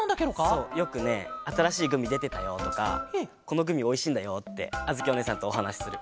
そうよくね「あたらしいグミでてたよ」とか「このグミおいしいんだよ」ってあづきおねえさんとおはなしする。